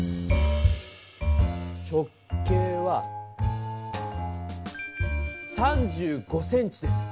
直径は３５ｃｍです。